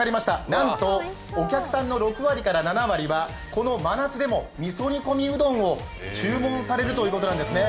なんとお客さんの６割から７割は真夏でもみそ煮込みうどんを注文されるということなんですね。